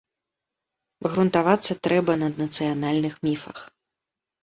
Грунтавацца трэба на нацыянальных міфах.